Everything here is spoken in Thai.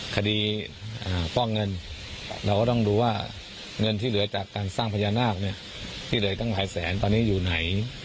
ฟอกเงินเราก็ต้องดูว่าเงินที่เหลือจากการสร้างพญานาคที่เหลือตั้งหลายแสนตอนนี้อยู่ไหน